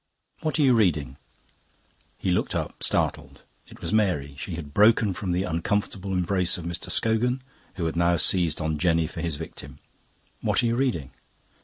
"What are you reading?" He looked up, startled. It was Mary. She had broken from the uncomfortable embrace of Mr. Scogan, who had now seized on Jenny for his victim. "What are you reading?"